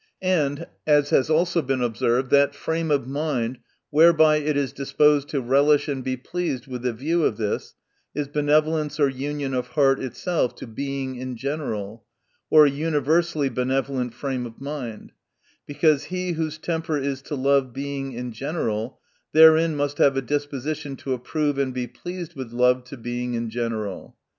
And as has also been observed, that frame of mind, whereby it is disposed to relish and be pleased with the view of this, is benevo lence or union of heart itself to Being in general, or a universally benevolent frame of mind : because he whose temper is to love Being in general, therein must have a disposition to approve and be pleased with the love to Being in general.